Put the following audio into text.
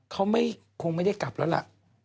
เขาคงไม่ได้กลับแล้วล่ะ